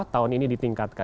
tahun ini ditingkatkan